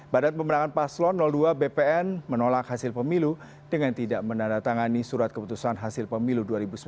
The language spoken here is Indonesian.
badan pemenangan paslon dua bpn menolak hasil pemilu dengan tidak menandatangani surat keputusan hasil pemilu dua ribu sembilan belas